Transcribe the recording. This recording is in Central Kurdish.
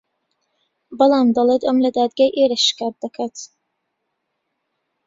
بەڵام دەڵێت ئەم لە دادگای ئێرە شکات دەکات